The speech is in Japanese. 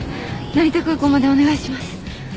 成田空港までお願いします。